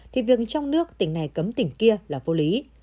thì việc trong nước tỉnh này cấm tỉnh kia là vô lý